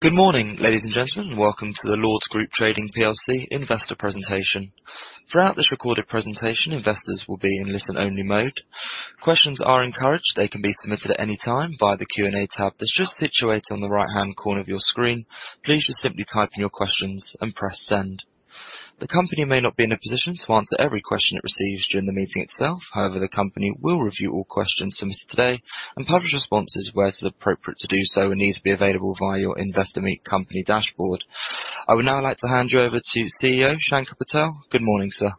Good morning, ladies and gentlemen, and welcome to the Lords Group Trading PLC investor presentation. Throughout this recorded presentation, investors will be in listen-only mode. Questions are encouraged. They can be submitted at any time via the Q&A tab that's just situated on the right-hand corner of your screen. Please just simply type in your questions and press send. The company may not be in a position to answer every question it receives during the meeting itself. However, the company will review all questions submitted today and publish responses where it is appropriate to do so and needs to be available via your Investor Meet Company dashboard. I would now like to hand you over to CEO Shanker Patel. Good morning, sir.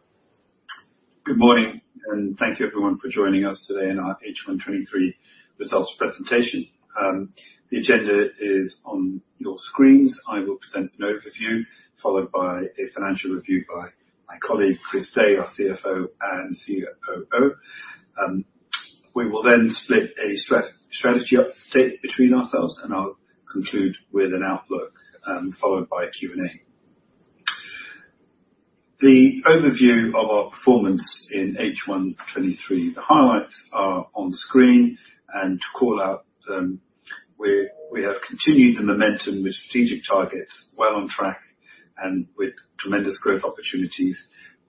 Good morning, and thank you everyone for joining us today in our H1 2023 results presentation. The agenda is on your screens. I will present an overview, followed by a financial review by my colleague, Chris Day, our CFO and COO. We will then split a strategy update between ourselves, and I'll conclude with an outlook, followed by a Q&A. The overview of our performance in H1 2023, the highlights are on screen and to call out, we have continued the momentum with strategic targets well on track and with tremendous growth opportunities,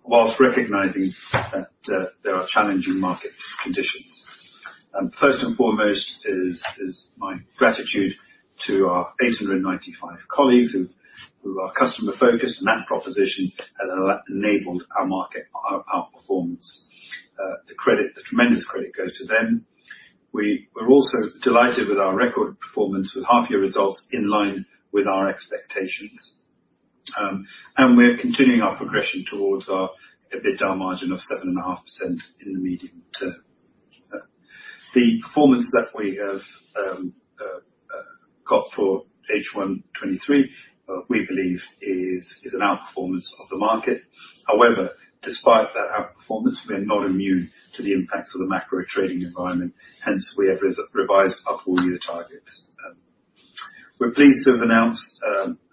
while recognizing that there are challenging market conditions. First and foremost is my gratitude to our 895 colleagues who are customer focused, and that proposition has enabled our market, our performance. The credit, the tremendous credit goes to them. We are also delighted with our record performance, with half-year results in line with our expectations. And we are continuing our progression towards our EBITDA margin of 7.5% in the medium term. The performance that we have got for H1 2023, we believe is an outperformance of the market. However, despite that outperformance, we are not immune to the impacts of the macro trading environment, hence we have revised our full year targets. We're pleased to have announced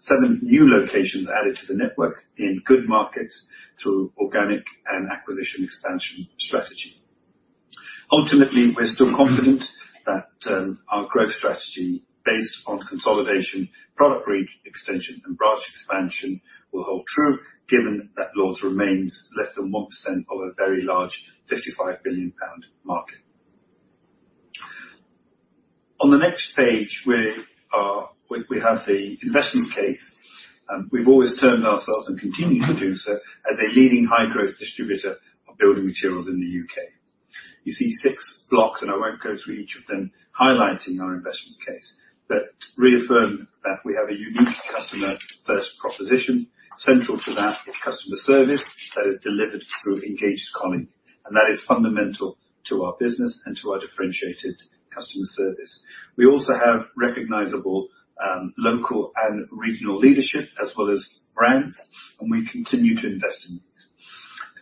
seven new locations added to the network in good markets through organic and acquisition expansion strategy. Ultimately, we're still confident that our growth strategy based on consolidation, product range extension, and branch expansion will hold true given that Lords remains less than 1% of a very large 55 billion pound market. On the next page, we have the investment case. We've always termed ourselves, and continue to do so, as a leading high-growth distributor of building materials in the U.K.. You see six blocks, and I won't go through each of them, highlighting our investment case, but reaffirm that we have a unique customer-first proposition. Central to that is customer service that is delivered through engaged colleagues, and that is fundamental to our business and to our differentiated customer service. We also have recognizable local and regional leadership as well as brands, and we continue to invest in these.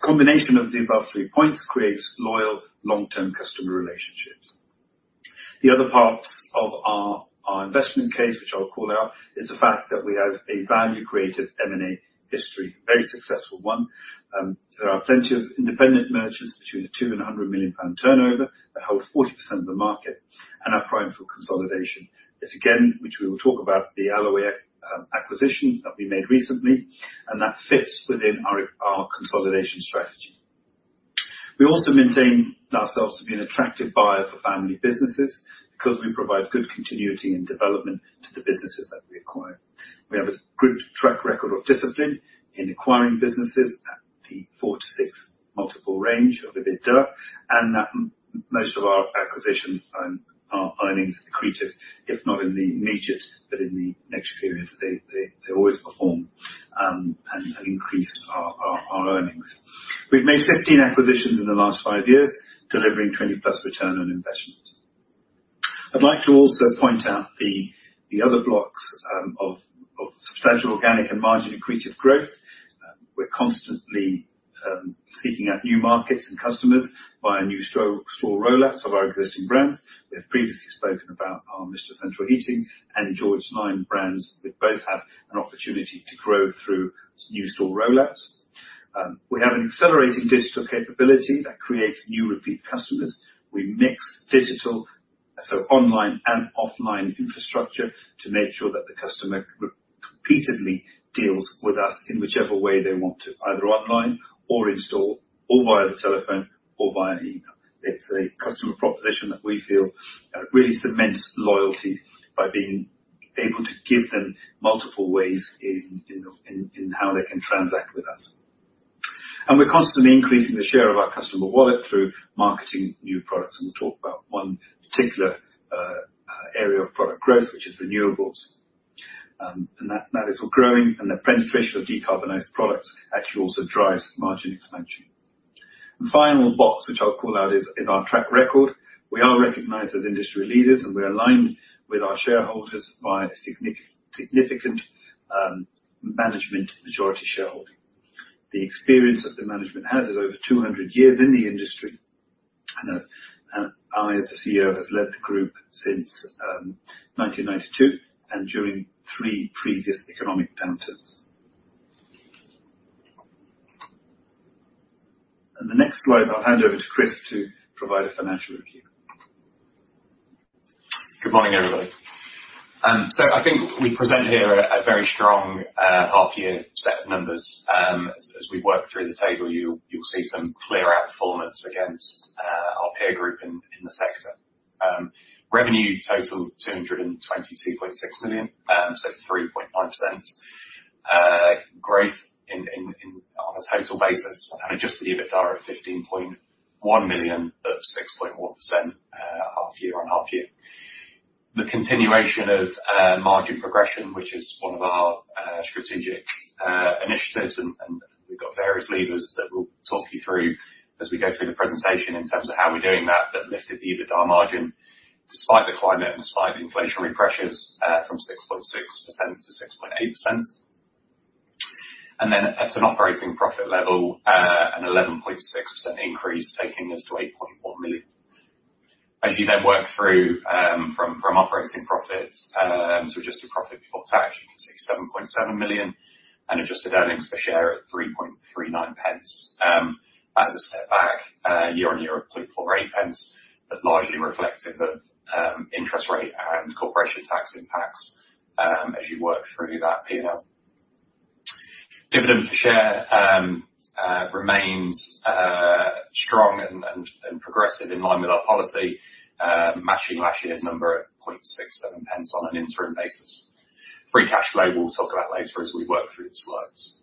The combination of the above three points creates loyal, long-term customer relationships. The other part of our investment case, which I'll call out, is the fact that we have a value creative M&A history, a very successful one. There are plenty of independent merchants between the 2 and a 100 million pound turnover, that hold 40% of the market and are prime for consolidation. This again, which we will talk about, the Alloway acquisition that we made recently, and that fits within our, our consolidation strategy. We also maintain ourselves to be an attractive buyer for family businesses, because we provide good continuity and development to the businesses that we acquire. We have a good track record of discipline in acquiring businesses at the 4-6x multiple range of EBITDA, and that most of our acquisitions, are earnings accretive, if not in the immediate, but in the next periods, they, they, they always perform, and, and increase our, our, our earnings. We've made 15 acquisitions in the last five years, delivering 20+ return on investment. I'd like to also point out the other blocks of substantial organic and margin accretive growth. We're constantly seeking out new markets and customers via new store rollouts of our existing brands. We've previously spoken about our Mr Central Heating and George Lines brands. They both have an opportunity to grow through new store rollouts. We have an accelerating digital capability that creates new repeat customers. We mix digital, so online and offline infrastructure, to make sure that the customer repeatedly deals with us in whichever way they want to, either online or in-store, or via the telephone, or via email. It's a customer proposition that we feel really cements loyalty by being able to give them multiple ways in, you know, in how they can transact with us. We're constantly increasing the share of our customer wallet through marketing new products, and we'll talk about one particular area of product growth, which is renewables. And that is all growing, and the penetration of decarbonized products actually also drives margin expansion. The final box, which I'll call out, is our track record. We are recognized as industry leaders, and we are aligned with our shareholders by significant management majority shareholding. The experience that the management has is over 200 years in the industry, and I, as the CEO, have led the group since 1992, and during three previous economic downturns. And the next slide, I'll hand over to Chris to provide a financial review. Good morning, everybody. So I think we present here a very strong half year set of numbers. As we work through the table, you'll see some clear outperformance against our peer group in the sector. Revenue total 222.6 million, so 3.9% growth on a total basis, Adjusted EBITDA of 15.1 million, up 6.1%, half year on half year. The continuation of margin progression, which is one of our strategic initiatives, and we've got various levers that we'll talk you through as we go through the presentation, in terms of how we're doing that, that lifted the EBITDA margin, despite the climate and despite the inflationary pressures, from 6.6% to 6.8%. Then at an operating profit level, a 11.6% increase, taking us to 8.1 million. As you then work through, from operating profits to adjusted profit before tax, you can see 7.7 million and Adjusted Earnings Per Share at 0.0339. That is a step back, year-on-year of 0.0048, but largely reflective of, interest rate and corporation tax impacts, as you work through that P&L. Dividend per share remains strong and progressive in line with our policy, matching last year's number at 0.0067 pence on an interim basis. Free cash flow, we'll talk about later as we work through the slides.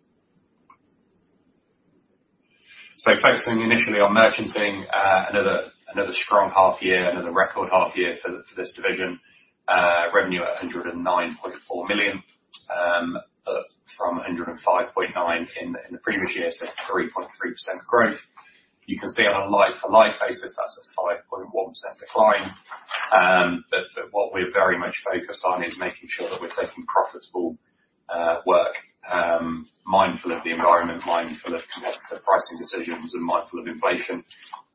So focusing initially on merchanting, another, another strong half year, another record half year for the—for this division. Revenue at 109.4 million, up from 105.9 million in the previous year, so 3.3% growth. You can see on a like-for-like basis, that's a 5.1% decline. But, but what we're very much focused on is making sure that we're taking profitable work, mindful of the environment, mindful of competitor pricing decisions, and mindful of inflation.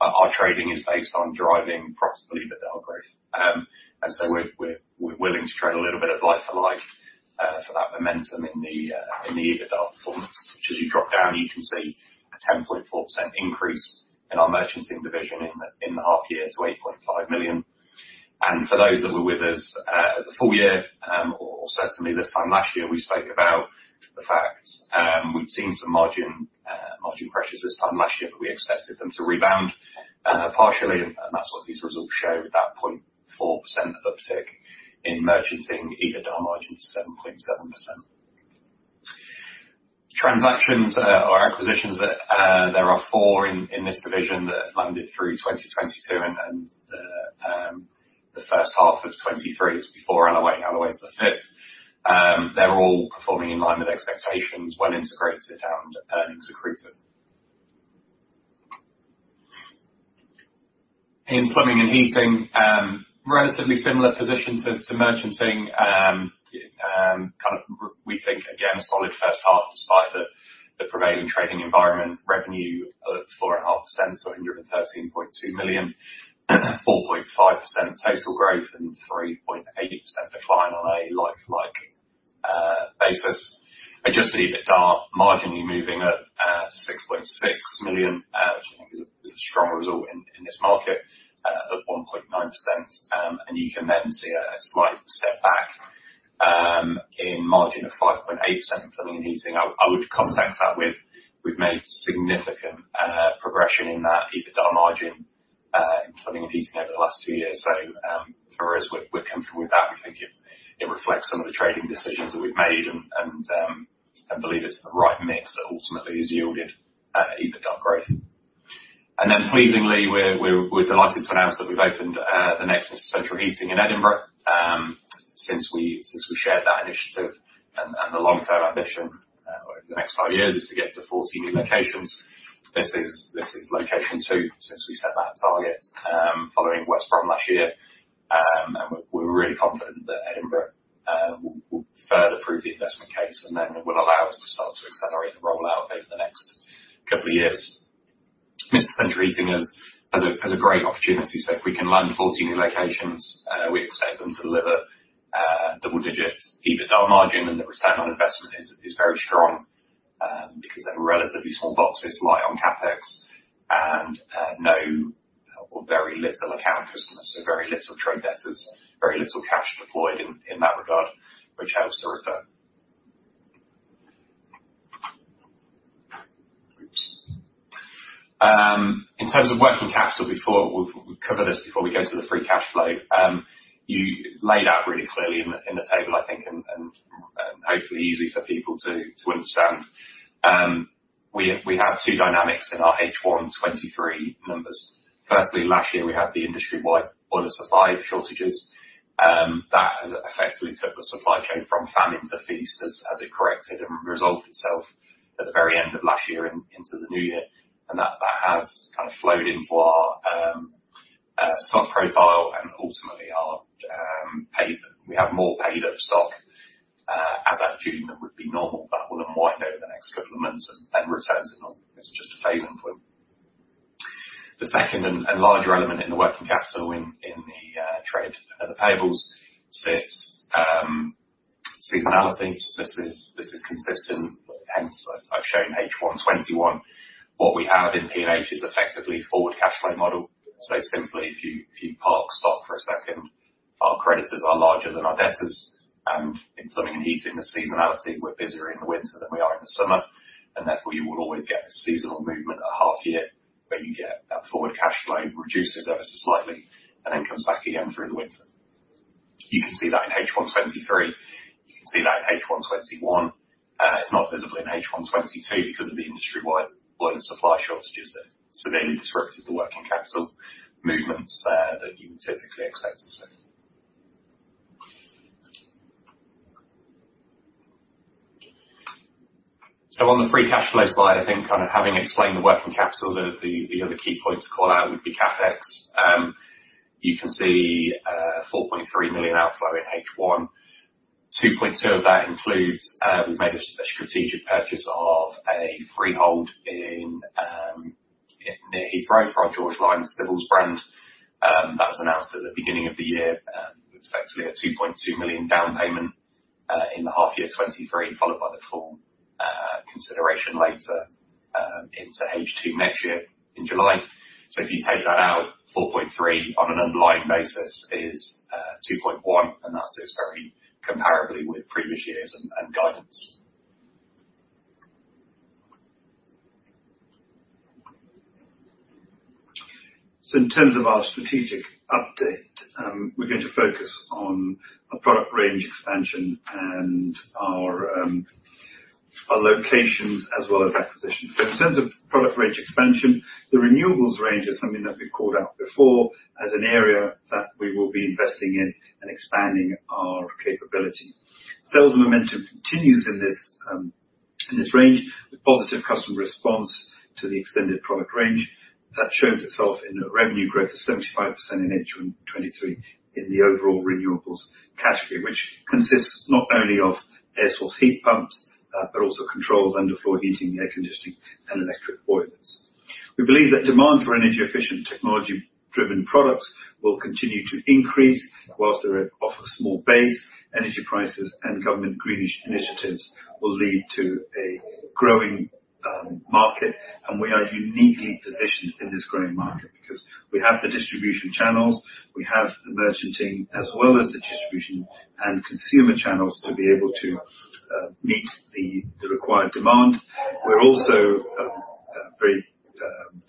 Our trading is based on driving profitable EBITDA growth. And so we're, we're, we're willing to trade a little bit of like for like, for that momentum in the EBITDA performance. So as you drop down, you can see a 10.4% increase in our merchanting division in the half year to 8.5 million. And for those that were with us at the full year, or certainly this time last year, we spoke about the fact we'd seen some margin pressures this time last year, but we expected them to rebound partially, and that's what these results show, with that 0.4% uptick in merchanting EBITDA margin to 7.7%. Transactions or acquisitions, there are four in this division that landed through 2022 and the first half of 2023. It's before Alloway, Alloway is the fifth. They're all performing in line with expectations when integrated and earnings accretive. In plumbing and heating, relatively similar position to merchanting. We think, again, a solid first half, despite the prevailing trading environment. Revenue up 4.5% to 113.2 million. 4.5% total growth and 3.8% decline on a like-like basis. Adjusted EBITDA, marginally moving at 6.6 million, which I think is a strong result in this market, up 1.9%. And you can then see a slight step back in margin of 5.8% in plumbing and heating. I would context that with, we've made significant progression in that EBITDA margin in plumbing and heating over the last two years. So, for us, we're comfortable with that. We think it reflects some of the trading decisions that we've made and believe it's the right mix that ultimately has yielded EBITDA growth. And then pleasingly, we're delighted to announce that we've opened the next Mr Central Heating in Edinburgh. Since we shared that initiative and the long-term ambition over the next five years is to get to 14 new locations. This is location two since we set that target, following West Brom last year. And we're really confident that Edinburgh will further prove the investment case, and then it will allow us to start to accelerate the rollout over the next couple of years. Mr Central Heating has a great opportunity, so if we can land 14 new locations, we expect them to deliver double digits EBITDA margin, and the return on investment is very strong, because they're relatively small boxes, light on CapEx and no or very little account customers, so very little trade debtors, very little cash deployed in that regard, which helps the return. In terms of working capital, before we'll cover this, before we go to the Free Cash Flow. You laid out really clearly in the table, I think, and hopefully easy for people to understand. We have two dynamics in our H1 2023 numbers. Firstly, last year, we had the industry-wide boiler shortages. That has effectively took the supply chain from famine to feast as it corrected and resolved itself at the very end of last year and into the new year. That has kind of flowed into our stock profile and ultimately our paid. We have more paid up stock, as I feel that would be normal, that will then wind over the next couple of months and then returns to normal. It's just a phase influence. The second and larger element in the working capital in the trade, the payables, sits seasonality. This is consistent, hence, I've shown H1 2021. What we have in P&H is effectively forward cash flow model. So simply, if you park stock for a second, our creditors are larger than our debtors, and in plumbing and heating, the seasonality, we're busier in the winter than we are in the summer, and therefore, you will always get a seasonal movement at half year, where you get that forward cash flow, reduces ever so slightly, and then comes back again through the winter. You can see that in H1 2023, you can see that in H1 2021. It's not visible in H1 2022 because of the industry-wide wider supply shortages that severely disrupted the working capital movements there, that you would typically expect to see. So on the Free Cash Flow slide, I think kind of having explained the working capital, the other key point to call out would be CapEx. You can see, 4.3 million outflow in H1. 2.2 million of that includes, we made a strategic purchase of a freehold in, near Heathrow, for our George Lines civils brand. That was announced at the beginning of the year, with effectively a 2.2 million down payment, in the half year 2023, followed by the full, consideration later, into H2 next year, in July. So if you take that out, 4.3 million on an underlying basis is, 2.1 million, and that stays very comparably with previous years and, and guidance. In terms of our strategic update, we're going to focus on a product range expansion and our locations as well as acquisitions. In terms of product range expansion, the renewables range is something that we've called out before as an area that we will be investing in and expanding our capability. Sales momentum continues in this range, with positive customer response to the extended product range. That shows itself in a revenue growth of 75% in H1 2023 in the overall renewables category, which consists not only of air source heat pumps, but also controls, underfloor heating, air conditioning, and electric boilers. We believe that demand for energy-efficient, technology-driven products will continue to increase whilst they're off a small base. Energy prices and government green initiatives will lead to a growing market, and we are uniquely positioned in this growing market because we have the distribution channels, we have the merchanting, as well as the distribution and consumer channels to be able to meet the required demand. We're also very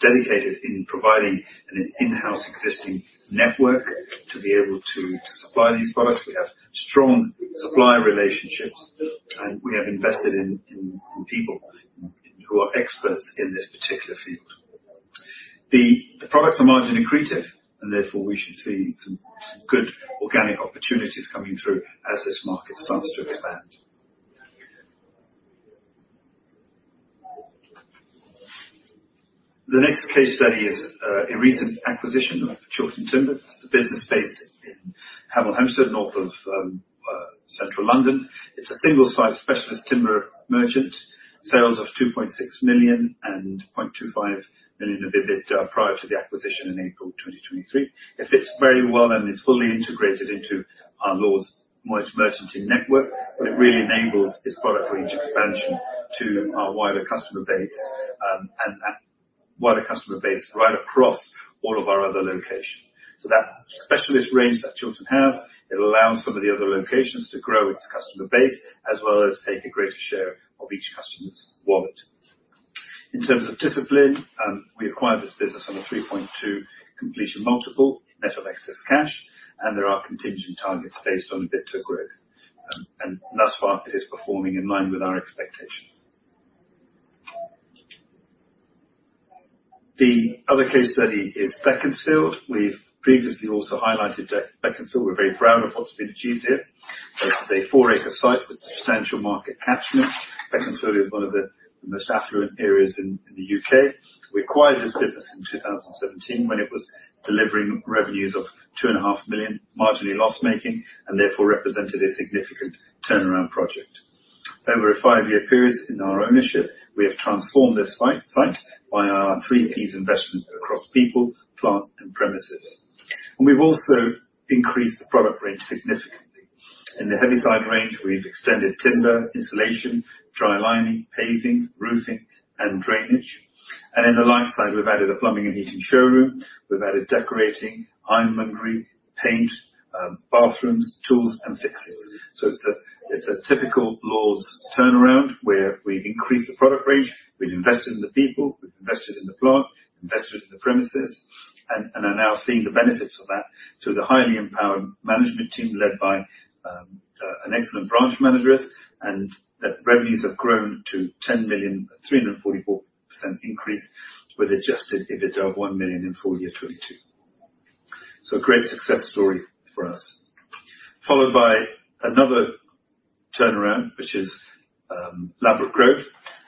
dedicated in providing an in-house existing network to be able to supply these products. We have strong supplier relationships, and we have invested in people who are experts in this particular field. The products are margin accretive, and therefore we should see some good organic opportunities coming through as this market starts to expand. The next case study is a recent acquisition of Chiltern Timber. It's a business based in Hemel Hempstead, North of Central London. It's a single-site specialist timber merchant. Sales of 2.6 million and 0.25 million in EBIT, prior to the acquisition in April 2023. It fits very well, and is fully integrated into our Lords merchanting network. What it really enables is product range expansion to our wider customer base, and a wider customer base right across all of our other locations. So that specialist range that Chiltern has, it allows some of the other locations to grow its customer base, as well as take a greater share of each customer's wallet. In terms of discipline, we acquired this business on a 3.2x completion multiple, net of excess cash, and there are contingent targets based on EBITDA growth. And thus far, it is performing in line with our expectations. The other case study is Beaconsfield. We've previously also highlighted Beaconsfield. We're very proud of what's been achieved here. It's a 4-acre site with substantial market catchment. Beaconsfield is one of the most affluent areas in the U.K. We acquired this business in 2017 when it was delivering revenues of 2.5 million, marginally loss-making, and therefore represented a significant turnaround project. Over a five-year period in our ownership, we have transformed this site by our 3Ps investment across people, plant, and premises. And we've also increased the product range significantly. In the heavy side range, we've extended timber, insulation, dry lining, paving, roofing, and drainage, and in the light side, we've added a plumbing and heating showroom, we've added decorating, ironmongery, paint, bathrooms, tools, and fixtures. So it's a typical Lords turnaround, where we've increased the product range, we've invested in the people, we've invested in the plant, invested in the premises, and, and are now seeing the benefits of that through the highly empowered management team, led by an excellent branch manageress, and that revenues have grown to 10 million, 344% increase with adjusted EBITDA of 1 million in full year 2022. So a great success story for us. Followed by another turnaround, which is Ladbroke Grove.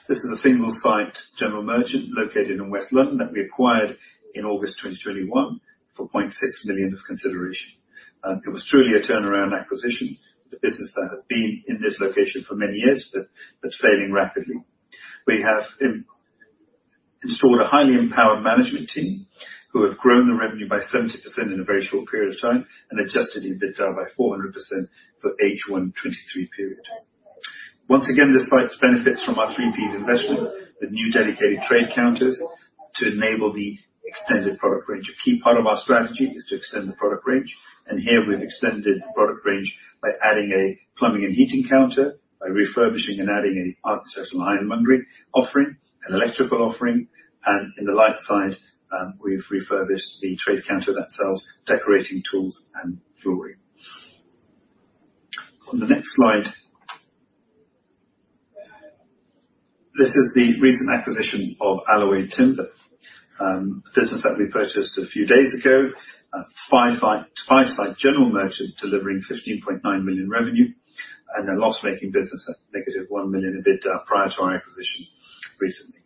This is a single-site general merchant, located in West London, that we acquired in August 2021 for 0.6 million of consideration. It was truly a turnaround acquisition. The business that had been in this location for many years, but, but failing rapidly. We have installed a highly empowered management team, who have grown the revenue by 70% in a very short period of time, and Adjusted EBITDA by 400% for H1 2023 period. Once again, this site benefits from our 3Ps investment, with new dedicated trade counters to enable the extended product range. A key part of our strategy is to extend the product range, and here we've extended the product range by adding a plumbing and heating counter, by refurbishing and adding an architectural ironmongery offering, an electrical offering, and in the light side, we've refurbished the trade counter that sells decorating tools and flooring. On the next slide. This is the recent acquisition of Alloway Timber. A business that we purchased a few days ago, a five-site general merchant, delivering 15.9 million revenue, and a loss-making business at -1 million EBITDA, prior to our acquisition recently.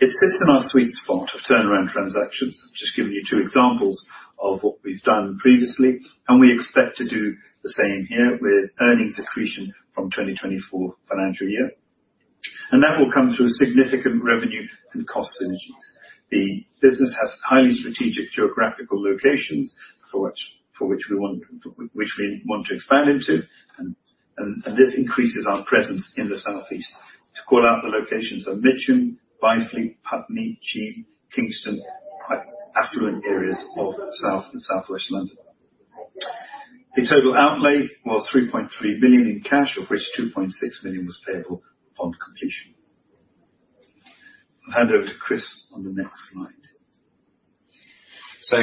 It fits in our sweet spot of turnaround transactions. Just giving you two examples of what we've done previously, and we expect to do the same here with earnings accretion from 2024 financial year. And that will come through a significant revenue and cost synergies. The business has highly strategic geographical locations for which we want to expand into, and this increases our presence in the Southeast. To call out the locations are Mitcham, Byfleet, Putney, Cheam, Kingston, quite affluent areas of South and Southwest London. The total outlay was 3.3 billion in cash, of which 2.6 million was payable upon completion. I'll hand over to Chris on the next slide. So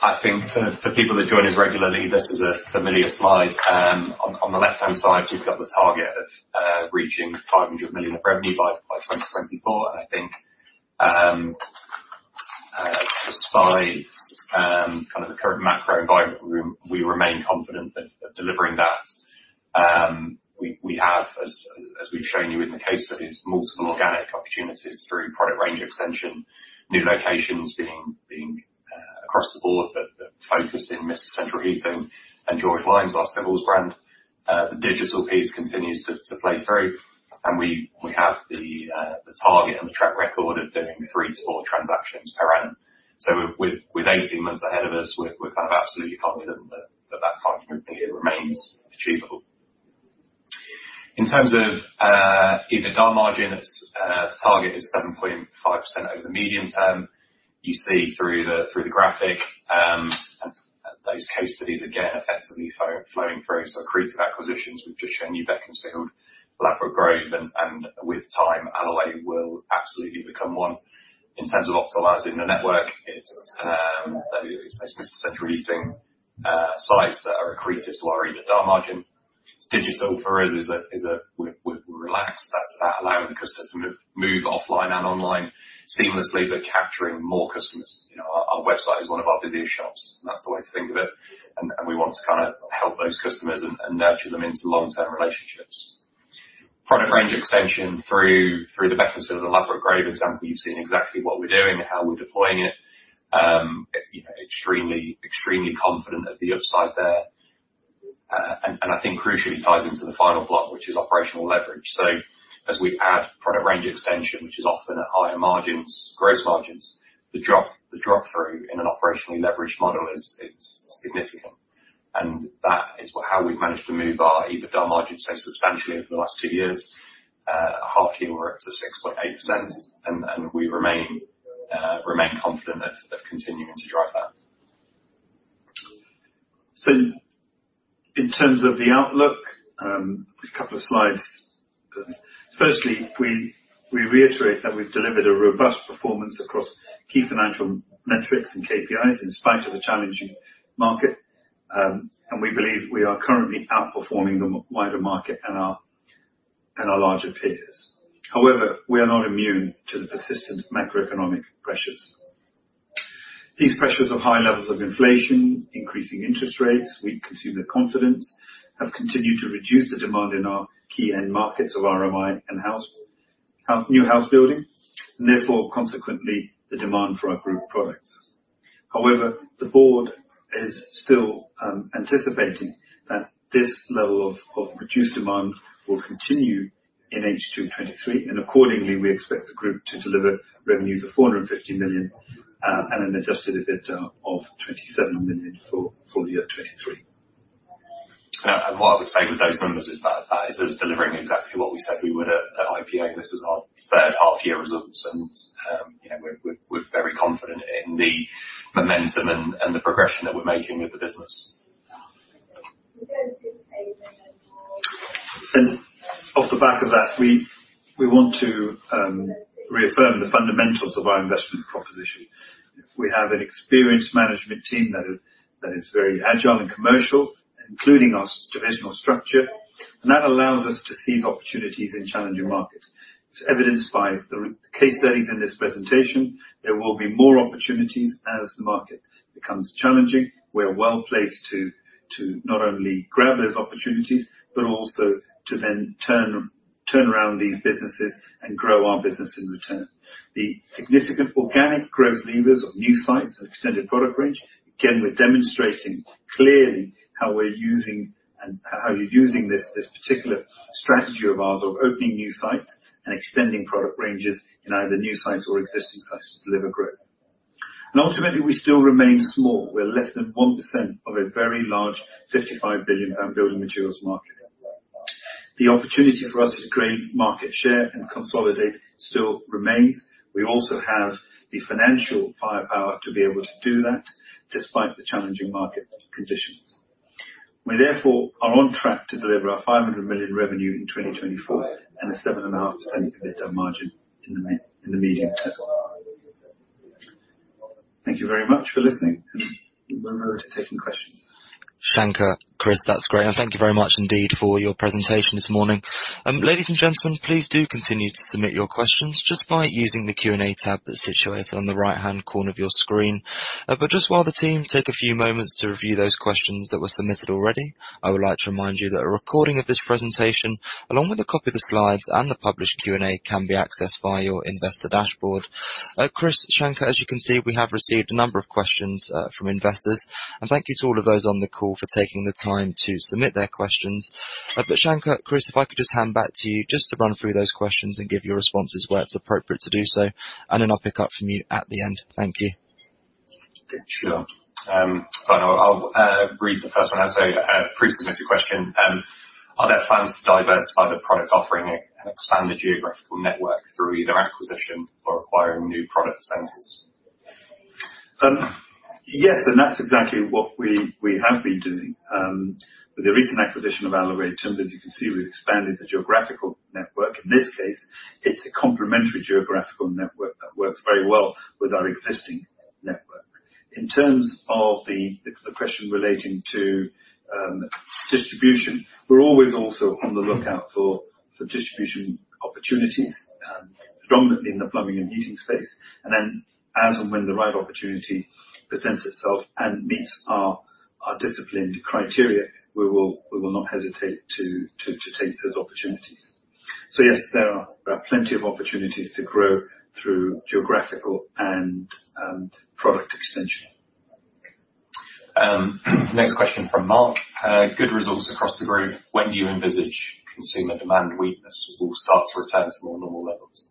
I think for people that join us regularly, this is a familiar slide. On the left-hand side, you've got the target of reaching 500 million of revenue by 2024. I think just by kind of the current macro environment, we remain confident of delivering that. We have, as we've shown you in the case studies, multiple organic opportunities through product range extension, new locations being across the board, but the focus in Mr Central Heating and George Lines, our civils brand. The digital piece continues to play through, and we have the target and the track record of doing three-four transactions per annum. So with 18 months ahead of us, we're kind of absolutely confident that 500 million remains achievable. In terms of EBITDA margin, it's the target is 7.5% over the medium term. You see through the graphic and those case studies, again, effectively flow, flowing through. So accretive acquisitions, we've just shown you Beaconsfield, Ladbroke Grove, and with time, Alloway will absolutely become one. In terms of optimizing the network, it's Mr Central Heating sites that are accretive to our EBITDA margin. Digital for us is a... We, we're relaxed. That's about allowing the customer to move offline and online seamlessly, but capturing more customers. You know, our website is one of our busiest shops, and that's the way to think of it. And we want to kind of help those customers and nurture them into long-term relationships. Product range extension through the Beaconsfield and Ladbroke Grove example, you've seen exactly what we're doing, how we're deploying it. You know, extremely confident of the upside there. And I think crucially ties into the final block, which is operational leverage. So as we add product range extension, which is often at higher margins, gross margins, the drop through in an operationally leveraged model is, it's significant. And that is how we've managed to move our EBITDA margin so substantially over the last two years. Half year, we're up to 6.8%, and we remain confident of continuing to drive that. So in terms of the outlook, a couple of slides. Firstly, we reiterate that we've delivered a robust performance across key financial metrics and KPIs in spite of the challenging market, and we believe we are currently outperforming the wider market and our larger peers. However, we are not immune to the persistent macroeconomic pressures. These pressures of high levels of inflation, increasing interest rates, weak consumer confidence, have continued to reduce the demand in our key end markets of RMI and new house building, and therefore, consequently, the demand for our group products. However, the board is still anticipating that this level of reduced demand will continue in H2 2023, and accordingly, we expect the group to deliver revenues of 450 million and an Adjusted EBITDA of 27 million for the year 2023. What I would say with those numbers is that that is us delivering exactly what we said we would at IPA, and this is our third half-year results and, you know, we're very confident in the momentum and the progression that we're making with the business. And off the back of that, we want to reaffirm the fundamentals of our investment proposition. We have an experienced management team that is very agile and commercial, including our divisional structure, and that allows us to seize opportunities in challenging markets. It's evidenced by the case studies in this presentation. There will be more opportunities as the market becomes challenging. We're well placed to not only grab those opportunities, but also to then turn them around these businesses and grow our business in return. The significant organic growth levers of new sites and extended product range, again, we're demonstrating clearly how we're using this particular strategy of ours, of opening new sites and extending product ranges in either new sites or existing sites to deliver growth. And ultimately, we still remain small. We're less than 1% of a very large 55 billion building materials market. The opportunity for us to gain market share and consolidate still remains. We also have the financial firepower to be able to do that, despite the challenging market conditions. We therefore are on track to deliver our 500 million revenue in 2024, and a 7.5% EBITDA margin in the medium term. Thank you very much for listening. We're now taking questions. Shanker, Chris, that's great, and thank you very much indeed for your presentation this morning. Ladies and gentlemen, please do continue to submit your questions just by using the Q&A tab that's situated on the right-hand corner of your screen. But just while the team take a few moments to review those questions that were submitted already, I would like to remind you that a recording of this presentation, along with a copy of the slides and the published Q&A, can be accessed via your investor dashboard. Chris, Shanker, as you can see, we have received a number of questions from investors, and thank you to all of those on the call for taking the time to submit their questions. But Shanker, Chris, if I could just hand back to you just to run through those questions and give your responses where it's appropriate to do so, and then I'll pick up from you at the end. Thank you. Sure. I'll read the first one. I'd say, pre-submitted question: Are there plans to diversify the product offering and expand the geographical network through either acquisition or acquiring new product centers? Yes, and that's exactly what we have been doing. With the recent acquisition of Alloway Timber, as you can see, we've expanded the geographical network. In this case, it's a complementary geographical network that works very well with our existing network. In terms of the question relating to distribution, we're always also on the lookout for distribution opportunities, predominantly in the plumbing and heating space, and then as and when the right opportunity presents itself and meets our disciplined criteria, we will not hesitate to take those opportunities. So yes, there are plenty of opportunities to grow through geographical and product extension. Next question from Mark. Good results across the group. When do you envisage consumer demand weakness will start to return to more normal levels?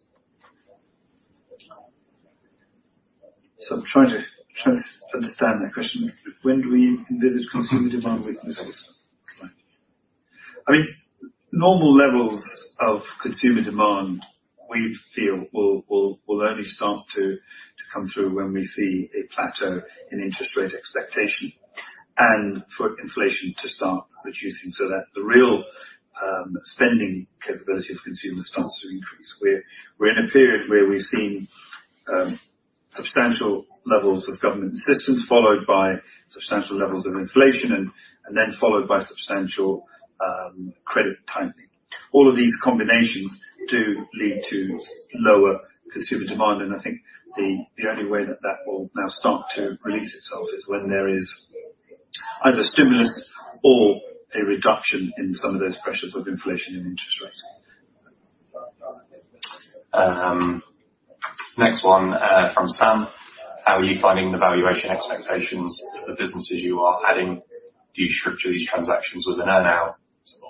So I'm trying to understand that question. When do we envisage consumer demand weakness? Right. I mean, normal levels of consumer demand, we feel will only start to come through when we see a plateau in interest rate expectation, and for inflation to start reducing so that the real spending capability of consumers starts to increase. We're in a period where we've seen substantial levels of government assistance, followed by substantial levels of inflation and then followed by substantial credit tightening. All of these combinations do lead to lower consumer demand, and I think the only way that that will now start to release itself is when there is either stimulus or a reduction in some of those pressures of inflation and interest rates. Next one, from Sam. How are you finding the valuation expectations for the businesses you are adding? Do you structure these transactions with an earn-out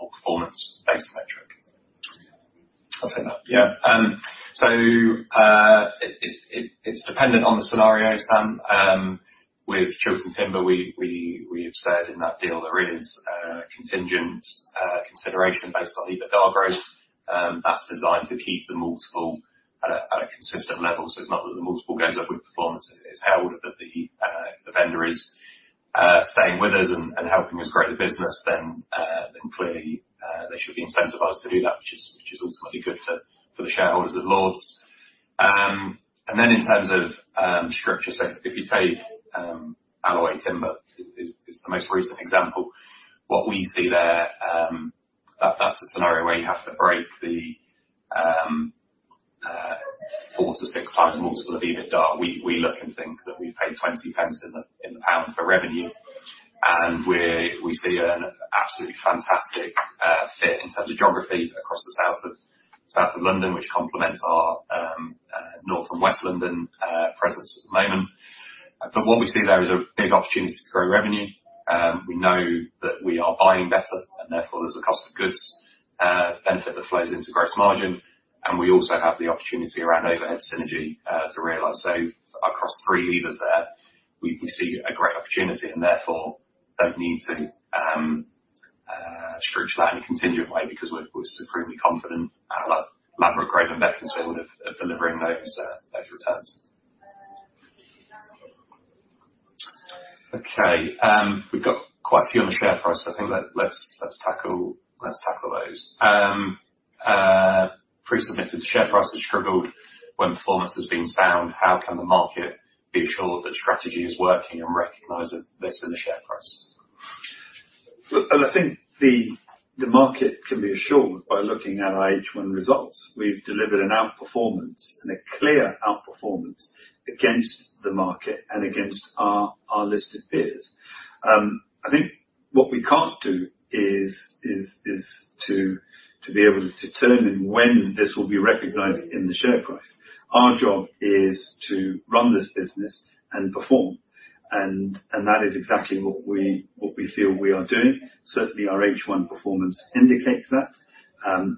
or performance-based metric? I'll take that. Yeah. So, it's dependent on the scenario, Sam. With Chiltern Timber, we have said in that deal there is contingent consideration based on EBITDA growth. That's designed to keep the multiple at a consistent level. So it's not that the multiple goes up with performance, it's held, but the vendor is staying with us and helping us grow the business, then clearly they should be incentivized to do that, which is ultimately good for the shareholders of Lords. And then in terms of structure, so if you take Alloway Timber, is the most recent example. What we see there, that's the scenario where you have to break the 4-6x multiple of EBITDA. We look and think that we paid 0.20 in the pound for revenue, and we see an absolutely fantastic fit in terms of geography across the south of London, which complements our north and west London presence at the moment. But what we see there is a big opportunity to grow revenue. We know that we are buying better, and therefore, there's a cost of goods benefit that flows into gross margin, and we also have the opportunity around overhead synergy to realize. So across three levers there, we can see a great opportunity and therefore don't need to structure that in a contingent way because we're supremely confident in our Ladbroke Grove and Beaconsfield of delivering those returns. Okay. We've got quite a few on the share price. I think let's tackle those. Pre-submitted, "The share price has struggled when performance has been sound. How can the market be assured that strategy is working and recognizing this in the share price? Look, I think the market can be assured by looking at our H1 results. We've delivered an outperformance, and a clear outperformance, against the market and against our listed peers. What we can't do is to be able to determine when this will be recognized in the share price. Our job is to run this business and perform, and that is exactly what we feel we are doing. Certainly, our H1 performance indicates that,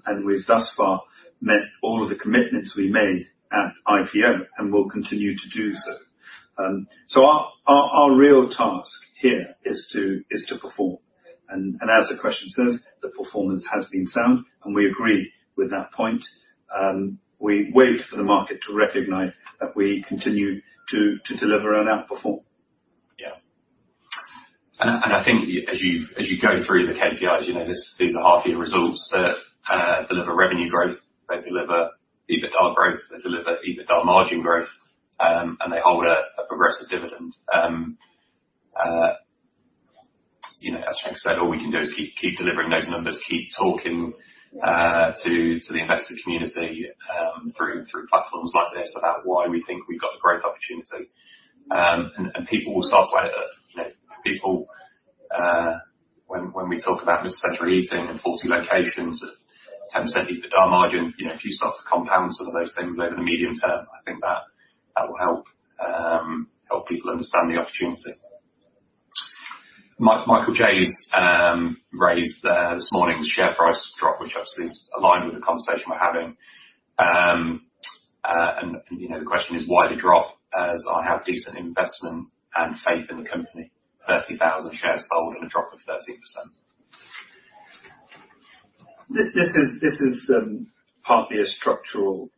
and we've thus far met all of the commitments we made at IPO and will continue to do so. So our real task here is to perform, and as the question says, the performance has been sound, and we agree with that point. We wait for the market to recognize that we continue to deliver and outperform. Yeah. I think as you go through the KPIs, you know, these are half year results that deliver revenue growth, they deliver EBITDA growth, they deliver EBITDA margin growth, and they hold a progressive dividend. You know, as Shanker said, all we can do is keep delivering those numbers, keep talking to the investor community through platforms like this, about why we think we've got the growth opportunity. And people will start to, you know, people, when we talk about necessity and 40 locations at 10% EBITDA margin, you know, if you start to compound some of those things over the medium term, I think that will help people understand the opportunity. Michael J. raised this morning the share price drop, which obviously is aligned with the conversation we're having. You know, the question is, why the drop? As I have decent investment and faith in the company, 30,000 shares sold in a drop of 13%. This is partly a structural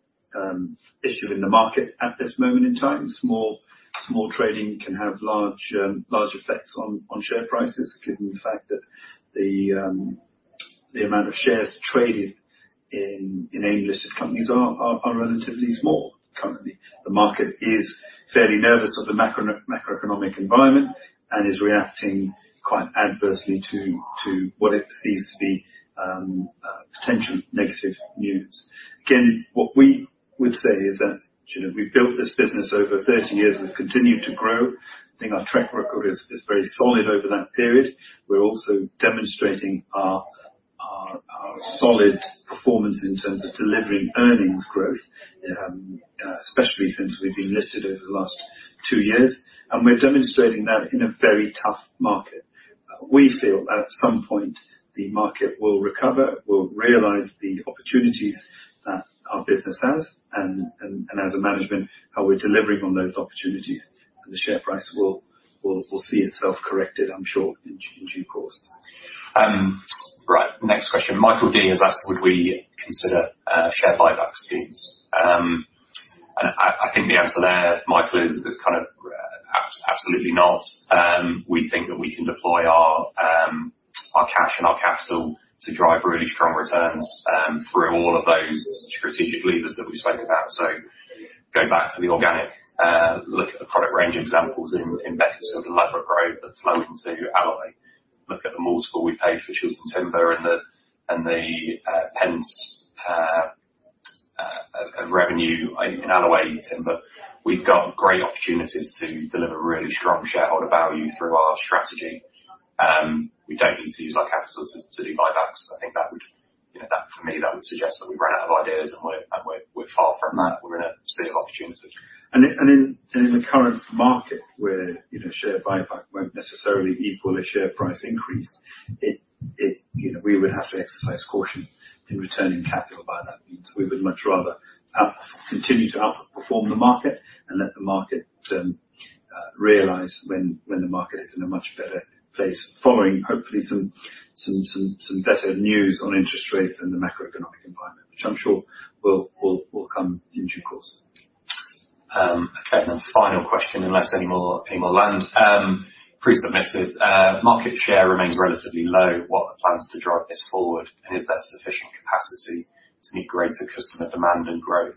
issue in the market at this moment in time. Small trading can have large effects on share prices, given the fact that the amount of shares traded in English companies are relatively small currently. The market is fairly nervous of the macroeconomic environment and is reacting quite adversely to what it perceives to be potential negative news. Again, what we would say is that, you know, we've built this business over 30 years and continued to grow. I think our track record is very solid over that period. We're also demonstrating our solid performance in terms of delivering earnings growth, especially since we've been listed over the last two years, and we're demonstrating that in a very tough market. We feel at some point the market will recover, will realize the opportunities that our business has, and as a management, how we're delivering on those opportunities, and the share price will see itself corrected, I'm sure, in due course. Right. Next question. Michael D has asked, "Would we consider, share buyback schemes?" I think the answer there, Michael, is, kind of, absolutely not. We think that we can deploy our cash and our capital to drive really strong returns, through all of those strategic levers that we spoke about. Going back to the organic, look at the product range examples in, in Beaconsfield with Ladbroke Grove, the Plumbing to Alloway. Look at the multiple we paid for Chiltern Timber and the, and the, pence, of revenue in Alloway Timber. We've got great opportunities to deliver really strong shareholder value through our strategy. We don't need to use our capital to, to do buybacks. I think that would... You know, that for me, that would suggest that we've run out of ideas, and we're far from that. We're in a sea of opportunities. In the current market where, you know, share buyback won't necessarily equal a share price increase, you know, we would have to exercise caution in returning capital by that means. We would much rather continue to outperform the market and let the market realize when the market is in a much better place, following, hopefully, some better news on interest rates and the macroeconomic environment, which I'm sure will come in due course. Okay, then the final question, unless any more, any more land. Pre-submitted, "Market share remains relatively low. What are the plans to drive this forward, and is there sufficient capacity to meet greater customer demand and growth?"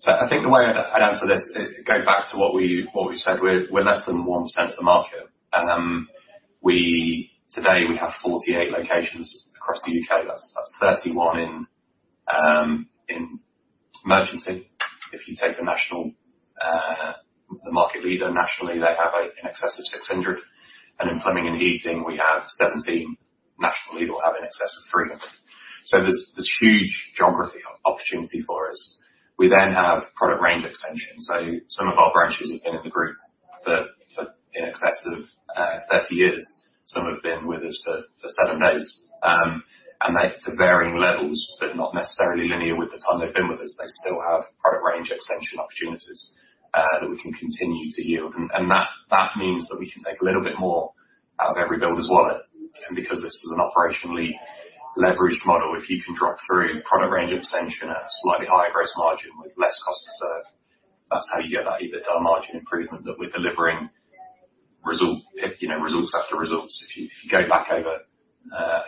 So I think the way I'd answer this is going back to what we said, we're less than 1% of the market. Today we have 48 locations across the U.K.. That's 31 in merchanting. If you take the national, the market leader nationally, they have in excess of 600, and in plumbing and heating, we have 17. National leader will have in excess of 300. So there's this huge geographical opportunity for us. We then have product range extension. So some of our branches have been in the group for in excess of 30 years. Some have been with us for seven days, and they to varying levels, but not necessarily linear with the time they've been with us. They still have product range extension opportunities that we can continue to yield, and that means that we can take a little bit more out of every builder's wallet. And because this is an operationally leveraged model, if you can drop through product range extension at a slightly higher gross margin with less cost to serve, that's how you get that EBITDA margin improvement that we're delivering results. You know, results after results. If you, if you go back over,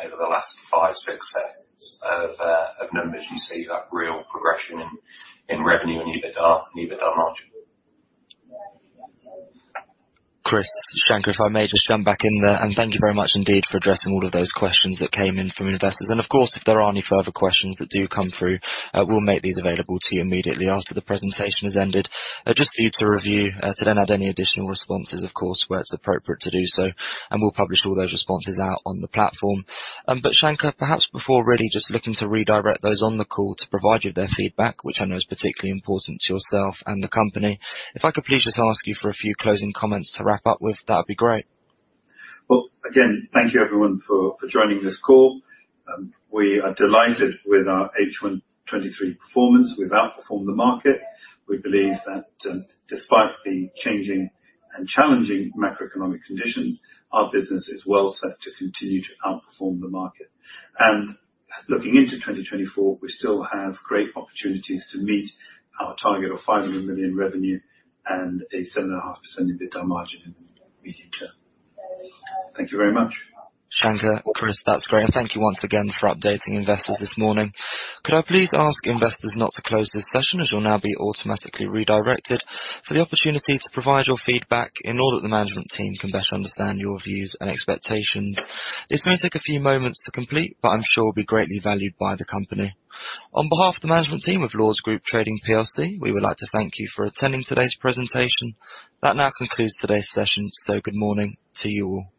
over the last five, six sets of, of numbers, you see that real progression in, in revenue and EBITDA, and EBITDA margin. Chris, Shanker, if I may just jump back in there, and thank you very much indeed for addressing all of those questions that came in from investors. Of course, if there are any further questions that do come through, we'll make these available to you immediately after the presentation has ended. Just for you to review, to then add any additional responses, of course, where it's appropriate to do so, and we'll publish all those responses out on the platform. But, Shanker, perhaps before really just looking to redirect those on the call to provide you their feedback, which I know is particularly important to yourself and the company, if I could please just ask you for a few closing comments to wrap up with, that'd be great. Well, again, thank you everyone for, for joining this call. We are delighted with our H1 2023 performance. We've outperformed the market. We believe that, despite the changing and challenging macroeconomic conditions, our business is well set to continue to outperform the market. And looking into 2024, we still have great opportunities to meet our target of 500 million in revenue and a 7.5% EBITDA margin in the medium term. Thank you very much. Shanker, Chris, that's great. Thank you once again for updating investors this morning. Could I please ask investors not to close this session, as you'll now be automatically redirected, for the opportunity to provide your feedback in order that the management team can better understand your views and expectations. It's going to take a few moments to complete, but I'm sure will be greatly valued by the company. On behalf of the management team of Lords Group Trading plc, we would like to thank you for attending today's presentation. That now concludes today's session, so good morning to you all.